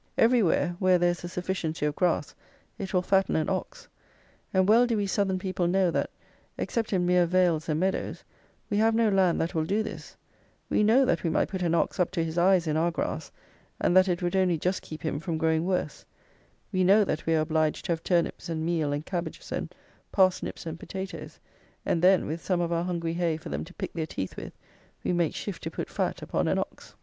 Everywhere, where there is a sufficiency of grass, it will fatten an ox; and well do we Southern people know that, except in mere vales and meadows, we have no land that will do this; we know that we might put an ox up to his eyes in our grass, and that it would only just keep him from growing worse: we know that we are obliged to have turnips and meal and cabbages and parsnips and potatoes, and then, with some of our hungry hay for them to pick their teeth with, we make shift to put fat upon an ox.